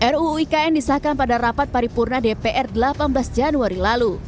ruu ikn disahkan pada rapat paripurna dpr delapan belas januari lalu